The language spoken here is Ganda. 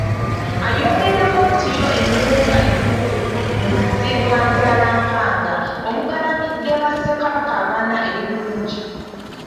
Ayongeddeko nti yo ennyumba enkulu Muzibwazaalampanga omugalamidde ba Ssekabaka abana eri bulungi.